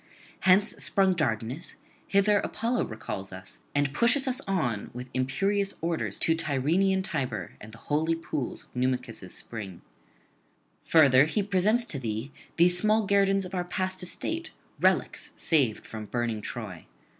Hence sprung Dardanus: hither Apollo recalls us, and pushes us on with imperious orders to Tyrrhenian Tiber and the holy pools of Numicus' spring. Further, he presents to thee these small guerdons of our past estate, relics saved from burning Troy.